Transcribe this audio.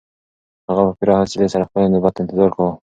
هغه په پوره حوصلي سره خپله نوبت ته انتظار وکړ.